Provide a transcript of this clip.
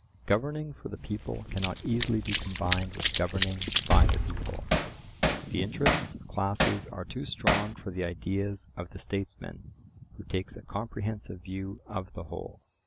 Governing for the people cannot easily be combined with governing by the people: the interests of classes are too strong for the ideas of the statesman who takes a comprehensive view of the whole.